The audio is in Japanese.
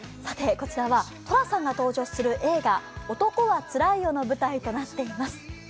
こちらは寅さんが登場する映画「男はつらいよ」の舞台となっています。